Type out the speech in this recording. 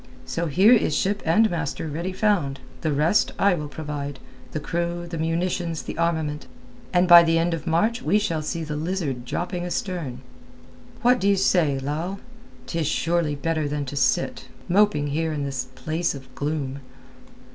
So here is ship and master ready found; the rest I will provide—the crew, the munitions, the armament, and by the end of March we shall see the Lizard dropping astern. What do you say, Lal? 'Tis surely better than to sit, moping here in this place of gloom."